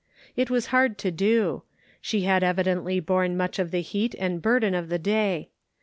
It was hard to do ; she had evidently borne much of the heat and burden of the day.